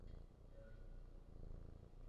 আর, বিপদজনক।